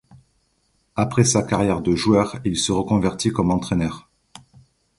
Après sa carrière de joueur il se reconvertit comme entraîneur.